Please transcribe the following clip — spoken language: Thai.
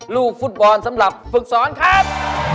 ลูกฟุตบอลสำหรับฝึกสอนครับ